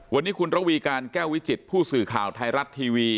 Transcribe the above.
วันนี้คุณระวีการแก้ววิจิตผู้สื่อข่าวไทยรัฐทีวี